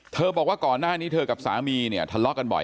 บอกว่าก่อนหน้านี้เธอกับสามีเนี่ยทะเลาะกันบ่อย